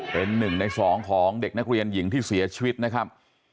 เป็นหนึ่งในสองของเด็กนักเรียนหญิงที่เสียชีวิตนะครับ